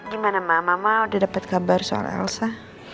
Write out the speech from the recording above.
gimana ma mama udah dapet kabar soal elsa